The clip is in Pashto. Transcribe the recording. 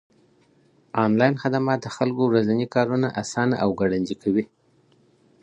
انلاين خدمات د خلکو ورځني کارونه آسانه او ګړندي کوي.